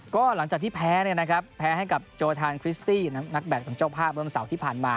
ก็หลังจากที่แพ้นะครับแพ้ให้กับโจทานคริสตี้นักแบบจ้าพ่าบรมศาวที่ผ่านมา